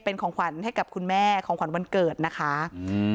เป็นของขวัญให้กับคุณแม่ของขวัญวันเกิดนะคะอืม